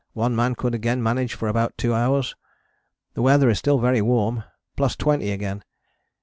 One man could again manage for about two hours. The weather is still very warm, plus 20 again.